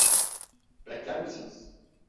Bekler misiniz?